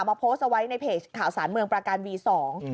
โพสต์เอาไว้ในเพจข่าวสารเมืองประการวีสอง